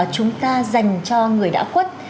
chúng ta dành cho người đã quất